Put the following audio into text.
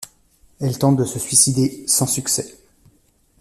Elle tente de se suicider, sans succès.